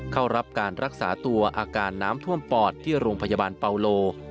เข้ารับการรักษาตัวอาการน้ำท่วมปอดที่โรงพยาบาลเปาโล